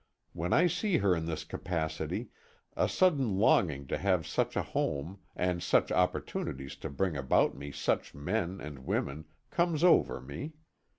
When I see her in this capacity, a sudden longing to have such a home, and such opportunities to bring about me such men and women, comes over me.